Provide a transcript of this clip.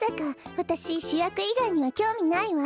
わたししゅやくいがいにはきょうみないわ。